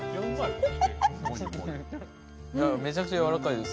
めちゃくちゃ柔らかいです。